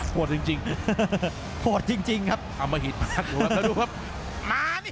โหดจริงจริงโหดจริงจริงครับอมหิตมาโหดแล้วดูครับมานี่